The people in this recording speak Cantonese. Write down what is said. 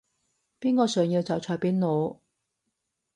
邊個想要就隨便攞